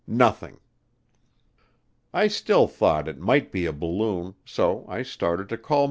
Nothing. I still thought it might be a balloon, so I started to call more stations.